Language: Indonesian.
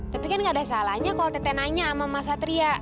tapi kan enggak ada salahnya kalau tete nanya sama mazhatria